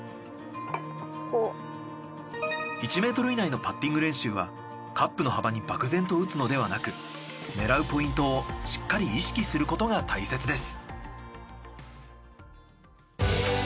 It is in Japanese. １ｍ以内のパッティング練習はカップの幅に漠然と打つのではなく狙うポイントをしっかり意識することが大切です。